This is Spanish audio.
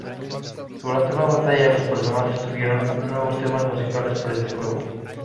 Durante una batalla, los personajes tuvieron nuevos temas musicales para este juego.